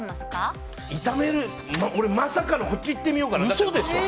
炒める俺まさかのこっちいってみようかな。